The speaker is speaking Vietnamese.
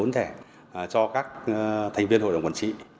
một mươi bốn thẻ cho các thành viên hội đồng quản trị